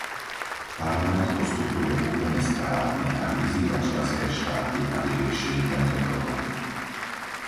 Parlament postupuje úplne správne, ak vyzýva členské štáty, aby riešili tento problém.